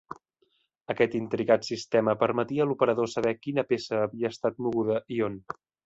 Aquest intricat sistema permetia l'operador saber quina peça havia estat moguda i on.